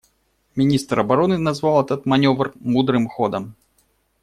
Министр обороны назвал этот маневр мудрым ходом.